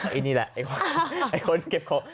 ไอ้นี่แหละไอ้คนเก็บของ